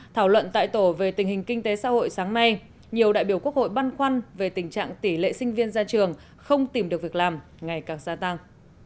thảo luận tại tổ về tình hình kinh tế xã hội sáng nay nhiều đại biểu quốc hội băn khoăn về tình trạng tỷ lệ sinh viên ra trường không tìm được việc làm ngày càng gia tăng